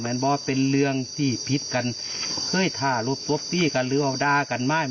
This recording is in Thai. แม่นบ่เป็นเรืองที่ผิดกันเฮ้ยถ้าลบลบที่กันหรือว่าดากันไม่